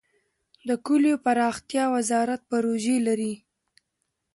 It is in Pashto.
د کلیو پراختیا وزارت پروژې لري؟